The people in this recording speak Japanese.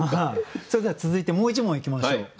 それでは続いてもう一問いきましょう。